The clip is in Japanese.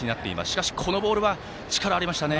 しかし、このボールは力がありましたね。